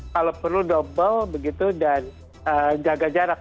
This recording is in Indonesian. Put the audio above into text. kalau perlu double begitu dan jaga jarak